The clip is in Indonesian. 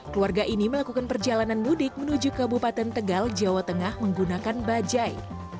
keluarga ini melakukan perjalanan mudik menuju ke bupatan tegal jawa tengah menggunakan bajai